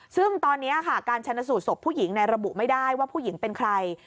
ซึ่งตอนนี้ค่ะการชนสูตรศพผู้หญิงระบุไม่ได้ว่าผู้หญิงเป็นใคร